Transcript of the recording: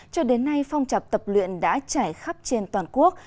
cho đến nay phong trào tập luyện đã trải khắp trên toàn quốc